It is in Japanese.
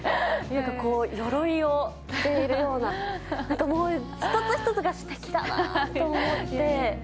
よろいを着ているような、なんかもう一つ一つが詩的だなと思って。